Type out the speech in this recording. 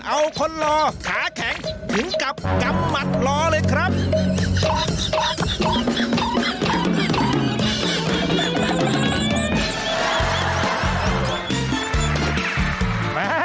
เอาคนรอขาแข็งถึงกับกำหมัดรอเลยครับ